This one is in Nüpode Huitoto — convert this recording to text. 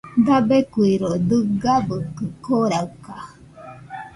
Dabeikuiro dɨgabɨkɨ koraɨka